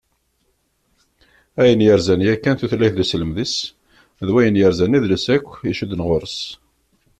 Ayen yerzan yakan tutlayt d uselmed-is, d wayen yerzan idles akk icudden ɣur-s.